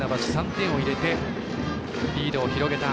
３点を入れて、リードを広げた。